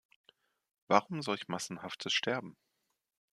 Warum solch massenhaftes Sterben?